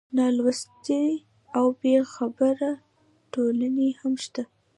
نالوستې او بېخبره ټولنې هم شته.